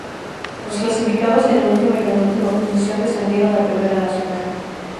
Los clasificados en última y penúltima posición descendieron a Primera Nacional.